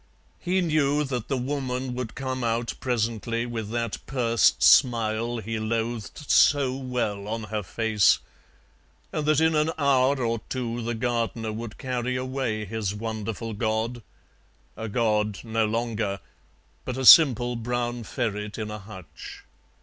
He knew that the Woman would come out presently with that pursed smile he loathed so well on her face, and that in an hour or two the gardener would carry away his wonderful god, a god no longer, but a simple brown ferret in a hutch.